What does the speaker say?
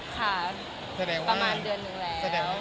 ค่ะประมาณเดือนนึงแล้ว